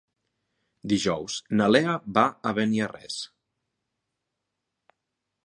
Dijous na Lea va a Beniarrés.